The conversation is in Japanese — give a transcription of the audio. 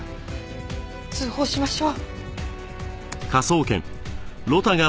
通報しましょう。